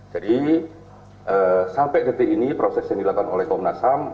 sampai detik ini proses yang dilakukan oleh komnas ham